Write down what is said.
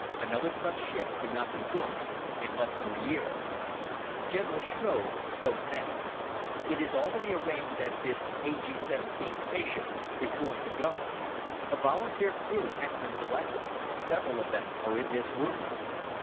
Another such ship cannot be built in less than a year." General Shrove spoke then. "It is already arranged that this A G 17 spaceship is going to go. A volunteer crew has been selected; several of them are in this room."